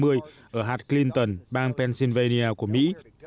ở hart clinton bang pennsylvania của mỹ